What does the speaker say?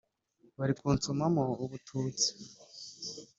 bari kunsomamo ubututsi